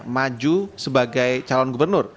maju sebagai calon gubernur